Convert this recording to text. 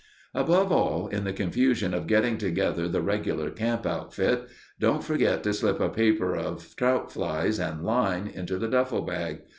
Above all, in the confusion of getting together the regular camp outfit, don't forget to slip a paper of trout flies and line into the duffle bag.